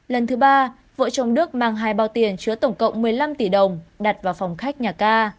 lần thứ ba vợ chồng đức mang hai bao tiền chứa tổng cộng một mươi năm tỷ đồng đặt vào phòng khách nhà ca